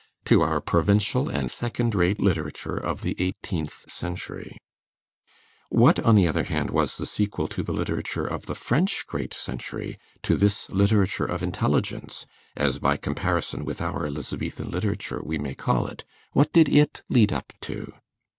To our provincial and second rate literature of the eighteenth century. What, on the other hand, was the sequel to the literature of the French "great century," to this literature of intelligence, as by comparison with our Elizabethan literature we may call it; what did it lead up to?